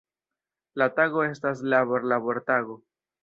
La tago estas labor-labortago.